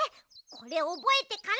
これおぼえてから！